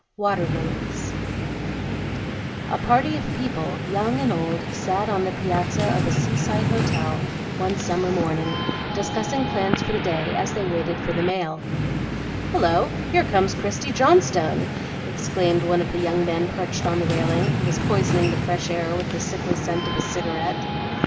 WATER LILIES A PARTY of people, young and old, sat on the piazza of a seaside hotel one summer morning, discussing plans for the day as they waited for the mail. "Hullo! here comes Christie Johnstone," exclaimed one of the young men perched on the railing, who was poisoning the fresh air with the sickly scent of a cigarette.